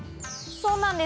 そうなんです。